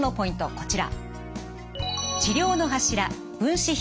こちら。